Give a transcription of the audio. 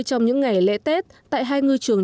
trong những ngày lễ tết tại hai ngư trường